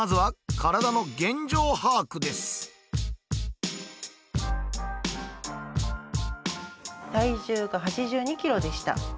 体重が８２ｋｇでした。